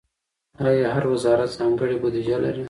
آیا هر وزارت ځانګړې بودیجه لري؟